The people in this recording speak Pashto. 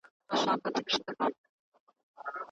د نورو دينونو احترام د مسلمانانو اخلاقي دنده ده.